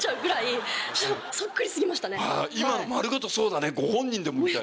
今の丸ごとご本人でも見たい。